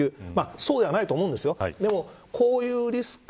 そうではないと思うんですがでも、こういうリスク。